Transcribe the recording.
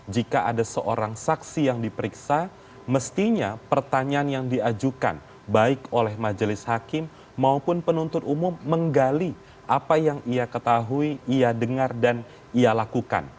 jika ada seorang saksi yang diperiksa mestinya pertanyaan yang diajukan baik oleh majelis hakim maupun penuntut umum menggali apa yang ia ketahui ia dengar dan ia lakukan